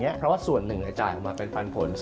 เพราะว่าส่วนหนึ่งจ่ายออกมาเป็นปันผล